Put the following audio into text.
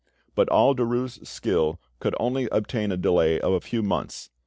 But all Derues' skill could only obtain a delay of a few months.